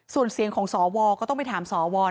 ส่วนเสียงของสวก็ต้องไปถามสว